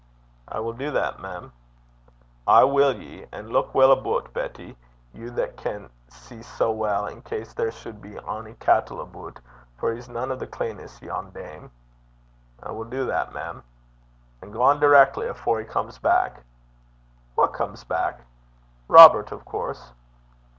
'I wull do that, mem.' 'Ay wull ye. An' luik weel aboot, Betty, you that can see sae weel, in case there suld be ony cattle aboot; for he's nane o' the cleanest, yon dame!' 'I wull do that, mem.' 'An' gang direckly, afore he comes back.' 'Wha comes back?' 'Robert, of course.'